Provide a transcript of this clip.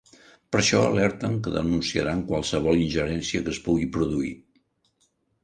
Per això alerten que denunciaran qualsevol ingerència que es pugui produir.